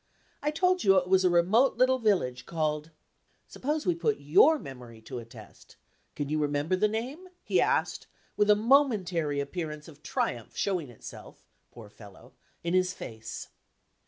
I told you it was a remote little village, called Suppose we put your memory to a test? Can you remember the name?" he asked, with a momentary appearance of triumph showing itself, poor fellow, in his face.